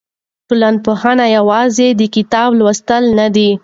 ټولنپوهنه یوازې د کتاب لوستل نه دي.